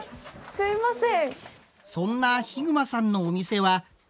すいません。